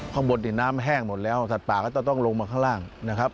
ข้างบนนี่น้ำแห้งหมดแล้วสัตว์ป่าก็จะต้องลงมาข้างล่างนะครับ